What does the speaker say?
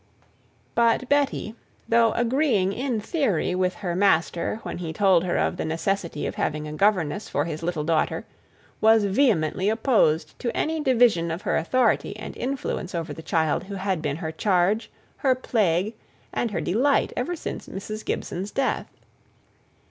But Betty, though agreeing in theory with her master when he told her of the necessity of having a governess for his little daughter, was vehemently opposed to any division of her authority and influence over the child who had been her charge, her plague, and her delight ever since Mrs. Gibson's death.